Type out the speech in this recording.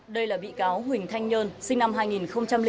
đây là bị cáo huỳnh thanh nhơn sinh năm hai nghìn bốn